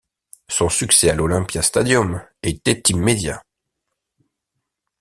Son succès à l'Olympia Stadium était immédiat.